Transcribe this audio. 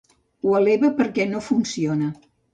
Ho eleva perquè no funciona.